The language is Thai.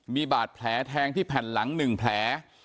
มีบาดแผลแทงที่แผ่นหลัง๑แผล